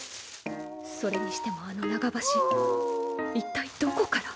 それにしてもあの長箸一体どこから。